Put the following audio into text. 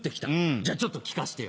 じゃちょっと聞かせてよ。